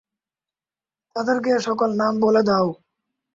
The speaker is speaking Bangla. তাদেরকে এ সকল নাম বলে দাও।